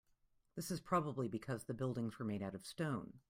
This is probably because the buildings were made out of stone.